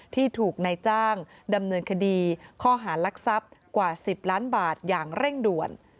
ที่ถูกนายจ้างดำเนินคดีข้อหารักทรัพย์กว่า๑๐ล้านบาทอย่างเร่งด่วน